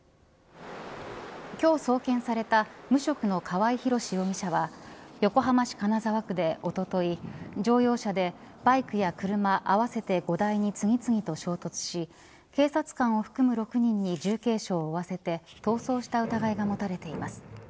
今日、送検された無職の川合広司容疑者は横浜市金沢区でおととい乗用車でバイクや車合わせて５台に次々と衝突し警察官を含む６人に重軽傷を負わせて逃走した疑いが持たれています。